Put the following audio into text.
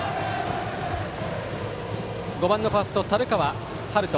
５番のファースト、樽川遥人。